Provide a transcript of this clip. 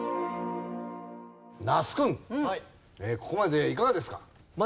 那須君ここまでいかがですか？